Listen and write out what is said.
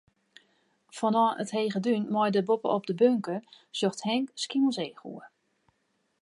Fanôf it hege dún mei dêr boppe-op de bunker, sjocht Henk Skiermûntseach oer.